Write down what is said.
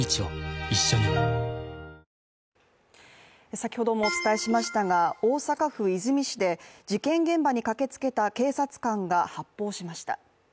先ほどもお伝えしましたが大阪府和泉市で事件現場に駆けつけた警察官が発砲しました。